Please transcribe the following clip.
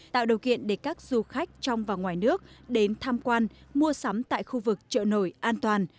tạo điều kiện để các du khách trong và ngoài nước đến tham quan mua sắm tại khu vực chợ nổi an toàn